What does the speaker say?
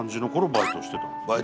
バイトしてたんで。